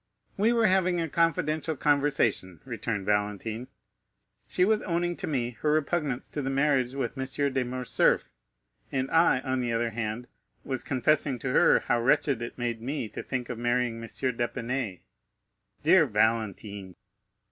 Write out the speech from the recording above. "We were having a confidential conversation," returned Valentine; "she was owning to me her repugnance to the marriage with M. de Morcerf; and I, on the other hand, was confessing to her how wretched it made me to think of marrying M. d'Épinay." "Dear Valentine!"